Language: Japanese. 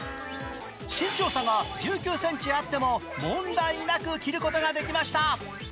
身長差が１９ｃｍあっても、問題なく着ることができました。